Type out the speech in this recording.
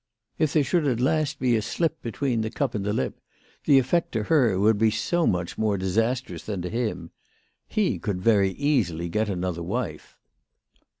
If there should at last be a slip between the cup and the lip, the effect to her would be so much more disastrous tnan to him ! He could very easily get another wife.